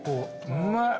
うまい！